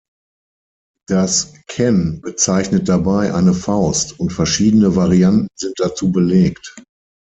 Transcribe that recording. Das „ken“ bezeichnet dabei eine Faust, und verschiedene Varianten sind dazu belegt.